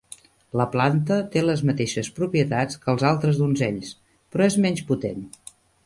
La planta té les mateixes propietats que els altres donzells, però és menys potent.